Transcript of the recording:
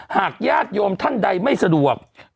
หากญาติโยมท่านใดไม่สะดวก